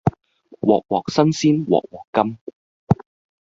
鑊鑊新鮮鑊鑊甘